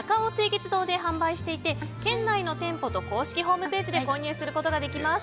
月堂で販売していて県内の店舗と公式ホームページで購入することができます。